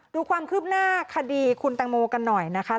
ดูความคืบหน้าคดีคุณแตงโมกันหน่อยนะคะ